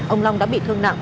ông long đã bị thương nặng